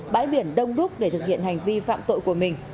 bãi biển đông đúc để thực hiện hành vi phạm tội của mình